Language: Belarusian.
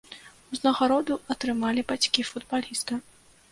Узнагароду атрымалі бацькі футбаліста.